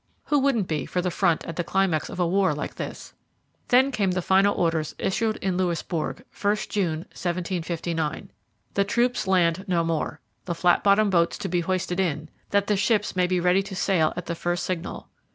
Who wouldn't be for the front at the climax of a war like this? Then came the final orders issued in Louisbourg. '1st June, 1759. The Troops land no more. The flat bottomed boats to be hoisted in, that the ships may be ready to sail at the first signal.'